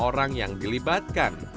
orang yang dilibatkan